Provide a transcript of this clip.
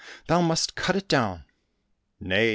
Thou must cut it down." —" Nay